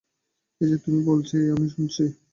এই যে তুমি কথা বলছি, আমি শুনছি।